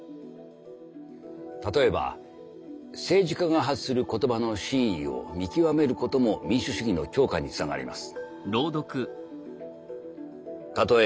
例えば政治家が発する言葉の真意を見極めることも民主主義の強化につながります。